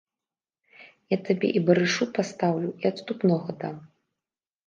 Я табе і барышу пастаўлю, і адступнога дам.